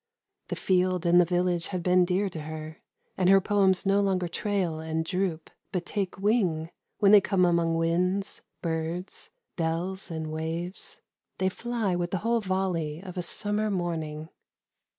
The field and the village had been dear to her, and her poems no longer trail and droop, but take wing, when they come among winds, birds, bells, and waves. They fly with the whole volley of a summer morning.